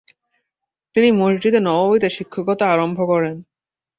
তিনি মসজিদে নববীতে শিক্ষকতা আরম্ভ করেন।